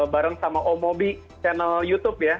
bareng sama om mobi channel youtube ya